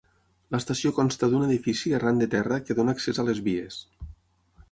L'estació consta d'un edifici arran de terra que dóna accés a les vies.